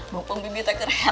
mumpung bibi tak terhati ya